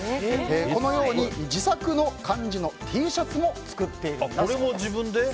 このように自作の漢字のＴシャツも作っているんだそうです。